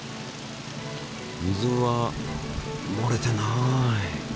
水はもれてない！